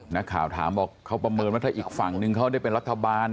นักข่าวถามบอกเขาประเมินว่าถ้าอีกฝั่งนึงเขาได้เป็นรัฐบาล